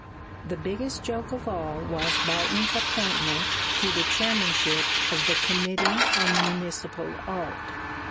The biggest joke of all was Barton's appointment to the chairmanship of the Committee on Municipal Art.